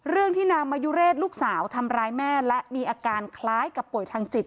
เรื่องที่นางมายุเรศลูกสาวทำร้ายแม่และมีอาการคล้ายกับป่วยทางจิต